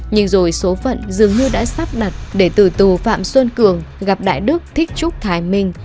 nhưng rồi số phận dường như đã sắp đặt để từ tù phạm xuân cường gặp đại đức thích trúc thái minh